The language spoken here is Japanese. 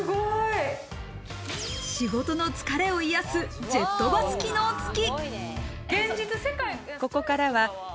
仕事の疲れを癒やす、ジェットバス機能付き。